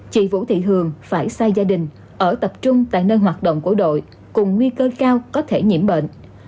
chị vũ thị hường phải sai gia đình ở tập trung tại nơi hoạt động của đội cùng nguy cơ cao có thể nhiễm bệnh